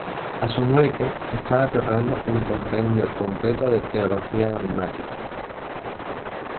A su muerte, estaba preparando un compendio completo de teología dogmática.